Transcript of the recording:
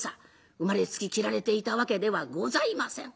生まれつき切られていたわけではございません。